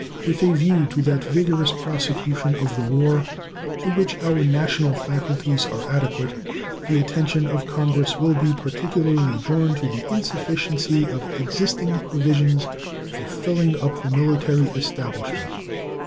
With a view to that vigorous prosecution of the war to which our national faculties are adequate, the attention of Congress will be particularly drawn to the insufficiency of existing provisions for filling up the military establishment.